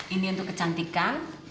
ini untuk kecantikan